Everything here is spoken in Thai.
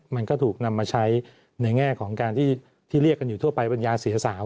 มันก็ถูกนำมาใช้ในแง่ของการที่เรียกกันอยู่ทั่วไปปัญญาเสียสาว